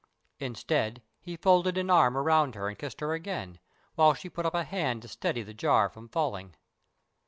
Instead, he folded an arm around her and kissed her again, while she put up a hand to steady the jar from falling.